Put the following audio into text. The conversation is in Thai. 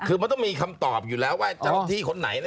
คือมันต้องมีคำตอบอยู่แล้วว่า